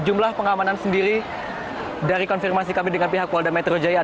jumlah pengamanan sendiri dari konfirmasi kami dengan pihak polda metro jaya